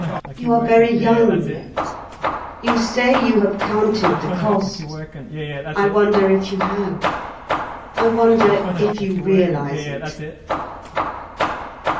You are very young yet. You say you have counted the cost. I wonder if you have. I wonder if you realise it."